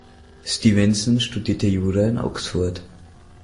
Stevenson studierte Jura in Oxford.